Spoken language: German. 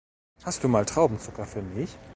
Hast du mal Traubenzucker für mich?